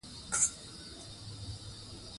په درنښت